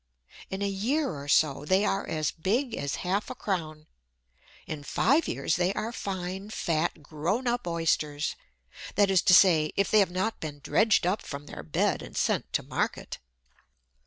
In a year or so they are as big as half a crown. In five years they are fine, fat grown up Oysters that is to say, if they have not been dredged up from their bed and sent to market.